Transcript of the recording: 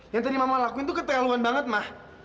yang tadi mama lakuin itu keteluan banget ma